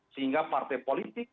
sehingga partai politik